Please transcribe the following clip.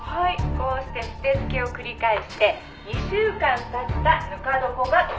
「こうして捨て漬けを繰り返して２週間経ったぬか床がこちら」